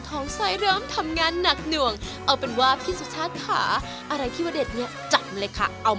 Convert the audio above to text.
พร้อมชิมเมนูแนะนำของทางร้านนะครับ